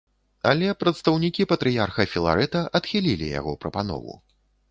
Але прадстаўнікі патрыярха філарэта адхілілі яго прапанову.